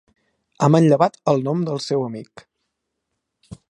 Ha manllevat el nom del seu amic.